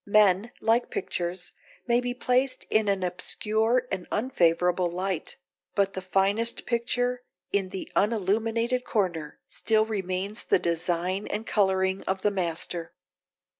Men, like pictures, may be placed in an obscure and unfavourable light; but the finest picture, in the unilluminated corner, still retains the design and colouring of the master.